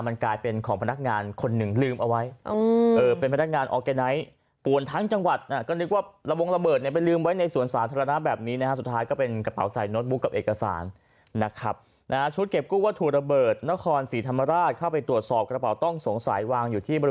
มันกลายเป็นของพนักงานคนหนึ่งลืมเอาไว้